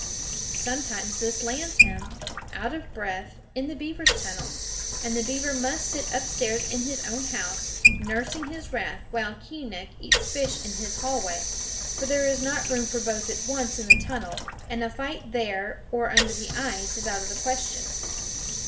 Sometimes this lands him, out of breath, in the beaver's tunnel; and the beaver must sit upstairs in his own house, nursing his wrath, while Keeonekh eats fish in his hallway; for there is not room for both at once in the tunnel, and a fight there or under the ice is out of the question.